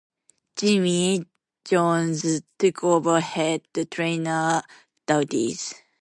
"Jimmy" Jones, took over head trainer duties.